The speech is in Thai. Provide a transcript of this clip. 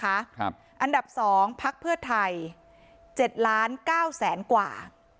อันดับสองพักเพื่อไทยเจ็ดล้านเก้าแสนกว่า